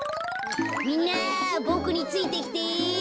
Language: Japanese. みんなボクについてきて。